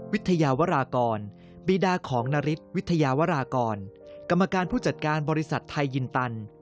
วิทยาวรากรกรรมการผู้จัดการบริษัทไทยินตัน